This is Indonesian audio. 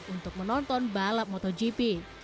untuk menonton balap motogp